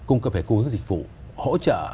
cung cấp về cung ứng dịch vụ hỗ trợ